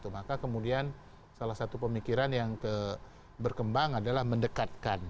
maka kemudian salah satu pemikiran yang berkembang adalah mendekatkan